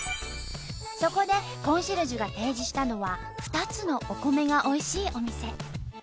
そこでコンシェルジュが提示したのは２つのお米が美味しいお店。